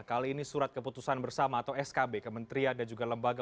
kali ini surat keputusan bersama atau skb kementerian dan juga lembaga